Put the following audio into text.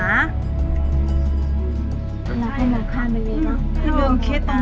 แมนอีกเลยเนอะ